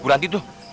bu latih tuh